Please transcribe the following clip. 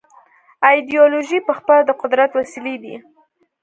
ایدیالوژۍ پخپله د قدرت وسیلې دي.